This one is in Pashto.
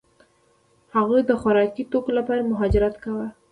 هغوی د خوراکي توکو لپاره مهاجرت کاوه.